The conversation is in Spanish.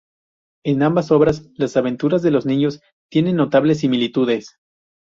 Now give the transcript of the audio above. En ambas obras, las aventuras de los niños tienen notables similitudes.